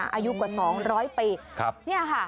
อายุกว่า๒๐๐ปี